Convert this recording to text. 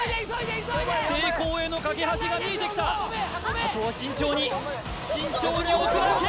成功へのかけ橋が見えてきたあとは慎重に慎重に置くだけ！